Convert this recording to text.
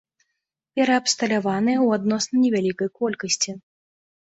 Пераабсталяваныя ў адносна невялікай колькасці.